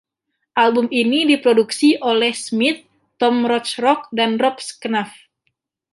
Album ini diproduksi oleh Smith, Tom Rothrock dan Rob Schnapf.